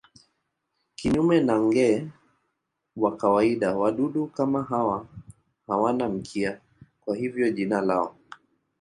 Kinyume na nge wa kawaida wadudu hawa hawana mkia, kwa hivyo jina lao.